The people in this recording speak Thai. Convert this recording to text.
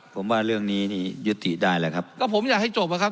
ผมว่าเรื่องนี้ยุติได้แหละครับ